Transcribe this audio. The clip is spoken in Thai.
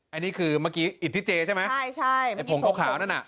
อันนี้คือเมื่อกี้อิดที่เจใช่ไหมใช่ใช่ไอ้ผงขาวนั่นน่ะ